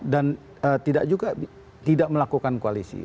dan tidak juga tidak melakukan koalisi